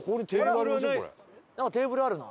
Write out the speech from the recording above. なんかテーブルあるな。